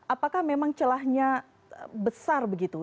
apakah memang celahnya besar begitu